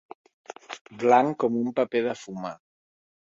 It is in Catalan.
Blanc com un paper de fumar.